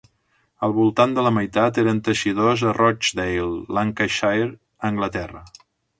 Al voltant de la meitat eren teixidors a Rochdale, Lancashire, Anglaterra.